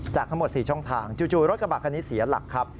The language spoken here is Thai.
ทั้งหมด๔ช่องทางจู่รถกระบะคันนี้เสียหลักครับ